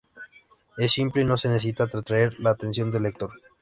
Es simple y no necesita atraer la atención del lector.